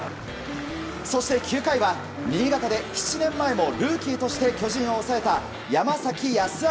そして９回は新潟で７年前もルーキーとして巨人を抑えた山崎康晃。